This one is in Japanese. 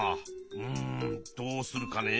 うんどうするかねえ。